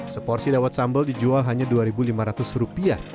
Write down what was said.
seporsi dawet sambal dijual hanya rp dua lima ratus